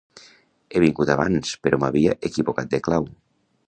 He vingut abans, però m'havia equivocat de clau.